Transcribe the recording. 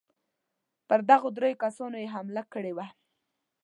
پر دغو درېو کسانو یې حمله کړې وه.